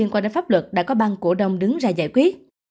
quan hệ pháp luật đã có bang cổ đồng đứng ra giải quyết